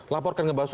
laporkan ke pak waslu